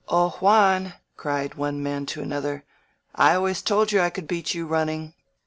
^^O Juan," cried one man to another, ^^I always told you I could beat you running!"